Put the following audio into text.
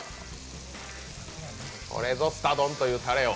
これぞすた丼というたれを。